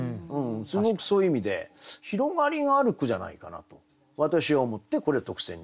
すごくそういう意味で広がりがある句じゃないかなと私は思ってこれ特選にしました。